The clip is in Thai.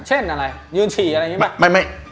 เช่นอะไรยืนฉี่อะไรแบบนี้มั้ย